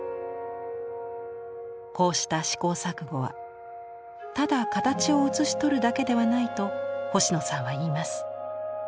こうした試行錯誤はただ形を写し取るだけではないと星野さんは言います。